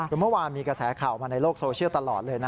คือเมื่อวานมีกระแสข่าวมาในโลกโซเชียลตลอดเลยนะ